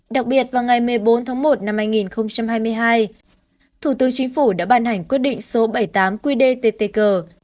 đặc biệt vào ngày một mươi bốn tháng một năm hai nghìn hai mươi hai thủ tư chính phủ đã ban hành quyết định số bảy mươi tám qd tt g